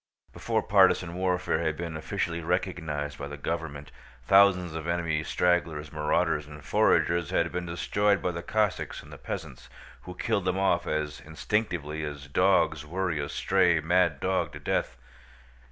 Before partisan warfare had been officially recognized by the government, thousands of enemy stragglers, marauders, and foragers had been destroyed by the Cossacks and the peasants, who killed them off as instinctively as dogs worry a stray mad dog to death.